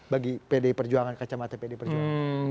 bagi pdi perjuangan kacamata pdi perjuangan